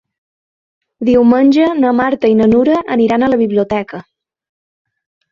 Diumenge na Marta i na Nura aniran a la biblioteca.